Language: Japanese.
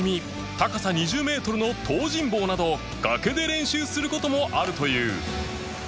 高さ２０メートルの東尋坊など崖で練習する事もあるという